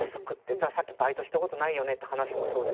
だからさっきバイトしたことないよねって話もそうですけど。